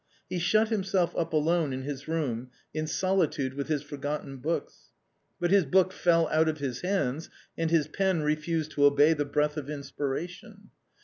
He shut himself up alone in his room, in solitude with his forgotten books. But his book fell out of his hands, and his pen refused to obey the breath of inspiration.